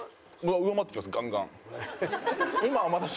上回ってきますガンガン。